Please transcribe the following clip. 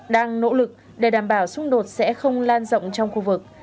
đang nỗ lực để đảm bảo xung đột sẽ không lan rộng trong khu vực